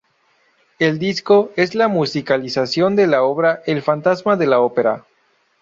El disco es la musicalización de la obra "El fantasma de la Ópera".